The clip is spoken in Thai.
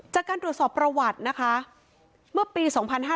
จากการตรวจสอบประวัตินะคะเมื่อปี๒๕๕๙